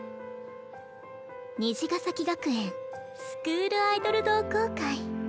虹ヶ咲学園スクールアイドル同好会。